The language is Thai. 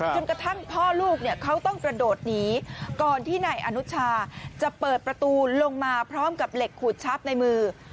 กระทั่งพ่อลูกเนี่ยเขาต้องกระโดดหนีก่อนที่นายอนุชาจะเปิดประตูลงมาพร้อมกับเหล็กขูดชับในมือ